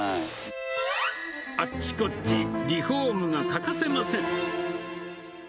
あっちこっち、リフォームが欠かせません。